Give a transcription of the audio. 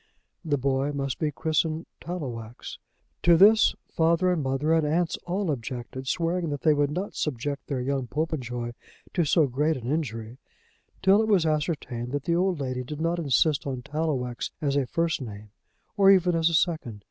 The boy must be christened Tallowax! To this father and mother and aunts all objected, swearing that they would not subject their young Popenjoy to so great an injury, till it was ascertained that the old lady did not insist on Tallowax as a first name, or even as a second.